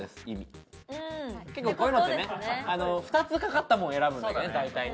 結構こういうのってね２つかかったもの選ぶんだけど大体ね。